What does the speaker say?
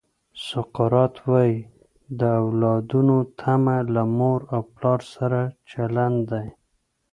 سقراط وایي د اولادونو تمه له مور او پلار سره چلند دی.